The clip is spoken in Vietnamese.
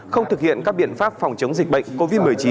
không thực hiện các biện pháp phòng chống dịch bệnh covid một mươi chín